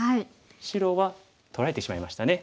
白は取られてしまいましたね。